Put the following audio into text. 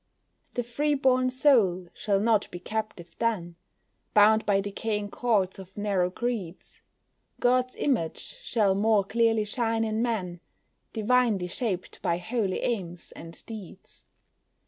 The free born soul shall not be captive then, Bound by decaying cords of narrow creeds, God's image shall more clearly shine in men, Divinely shaped by holy aims and deeds.